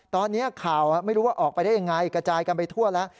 ตอนนี้ข่าวไม่รู้ว่าออกไปได้ยังไงกระจายกันไปทั่วแล้ว